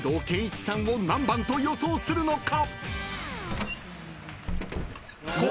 ［よゐこ濱口さんを何番と予想するのか？］